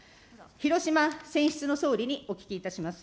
広島選出の総理にお聞きいたします。